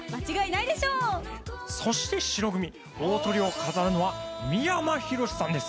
そして白組大トリを飾るのは三山ひろしさんです。